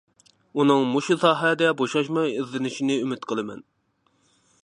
ئۇنىڭ مۇشۇ ساھەدە بوشاشماي ئىزدىنىشىنى ئۈمىد قىلىمەن.